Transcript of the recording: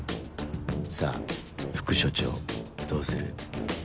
さぁ副署長どうする？